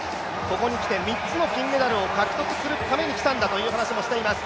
ここにきて３つの金メダルを獲得するために来たんだという話もしています。